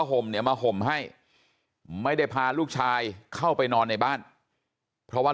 ห่มเนี่ยมาห่มให้ไม่ได้พาลูกชายเข้าไปนอนในบ้านเพราะว่า